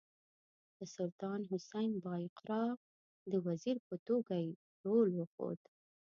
د سلطان حسین بایقرا د وزیر په توګه یې رول وښود.